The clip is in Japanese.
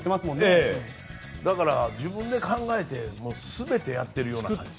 だから、自分で考えて全てやっているような気がします。